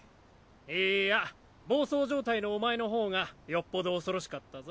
いいや暴走状態のお前のほうがよっぽど恐ろしかったぞ。